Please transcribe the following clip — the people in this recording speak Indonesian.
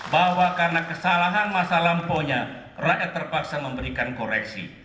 bahwa karena kesalahan masa lampaunya rakyat terpaksa memberikan koreksi